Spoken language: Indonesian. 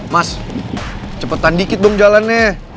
mas cepetan dikit dong jalannya